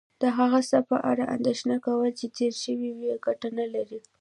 د هغه څه په اړه اندېښنه کول چې تیر شوي وي کټه نه لرې